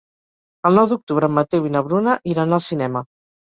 El nou d'octubre en Mateu i na Bruna iran al cinema.